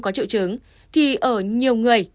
có triệu chứng thì ở nhiều người